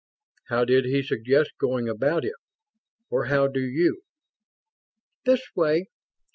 "How did he suggest going about it? Or how do you?" "This way.